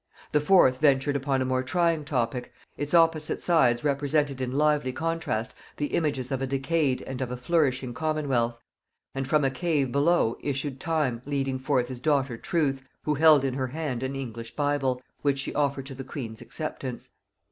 The fourth ventured upon a more trying topic: its opposite sides represented in lively contrast the images of a decayed and of a flourishing commonwealth; and from a cave below issued Time leading forth his daughter Truth, who held in her hand an English bible, which she offered to the queen's acceptance.